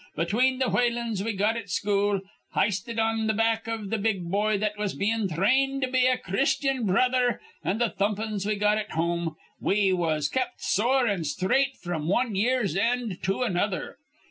Between th' whalin's we got at school h'isted on th' back iv th' big boy that was bein' thrainned to be a Christyan brother an' th' thumpin's we got at home, we was kept sore an' sthraight fr'm wan year's end to another.